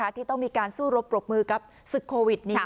ที่ต้องมีการสู้รบปรบมือกับศึกโควิดนี้